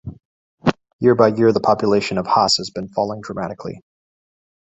Year-by-year the population of Has has been falling dramatically.